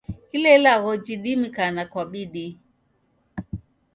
Kila ilagho jidimikana kwa bidii.